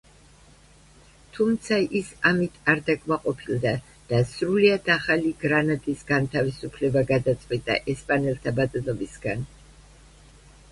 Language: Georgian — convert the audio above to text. თუმცა ის ამით არ დაკმაყოფილდა და სრულიად ახალი გრანადის განთავისუფლება გადაწყვიტა ესპანელთა ბატონობისგან.